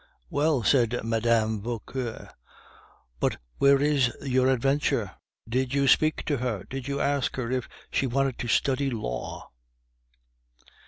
"Well," said Mme. Vauquer, "but where is your adventure? Did you speak to her? Did you ask her if she wanted to study law?"